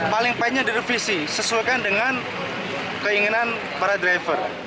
paling penting direvisi sesulkan dengan keinginan para driver